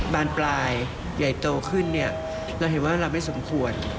บานปลายใหญ่โตขึ้นเนี่ยเราเห็นว่าเราไม่สมควร